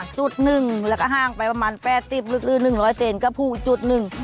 จุดหนึ่งแล้วก็ห้างไปประมาณ๘๐ลึก๑๐๐เซนก็ผูกอีกจุดหนึ่ง